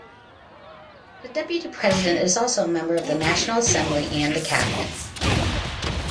The Deputy President is also a member of the National Assembly and the Cabinet.